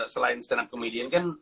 selain stand up comedian kan